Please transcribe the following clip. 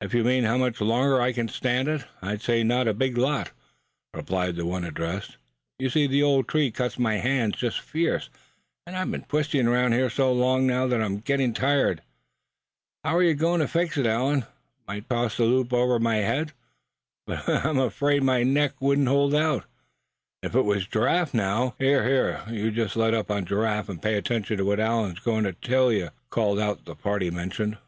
"If you mean how much longer I could stand it, I'd say not a big lot," replied the one addressed. "You see, the old tree cuts my hands just fierce; and I've been twisting around here so long now that I'm gettin' tired. How're you goin' to fix it, Allan? Might toss the loop over my head; but I'm afraid my neck wouldn't hold out. If it was Giraffe now " "Here, you just let up on Giraffe, and pay attention to what Allan's goin' to tell you; hear?" called out the party mentioned.